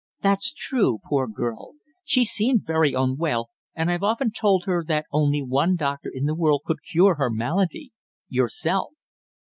"That's true, poor girl. She's seemed very unwell, and I've often told her that only one doctor in the world could cure her malady yourself."